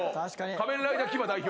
『仮面ライダーキバ』代表。